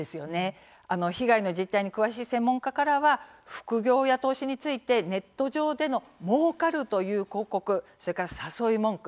被害の実態に詳しい専門家からは副業や投資についてネット上でのもうかるという広告そして誘い文句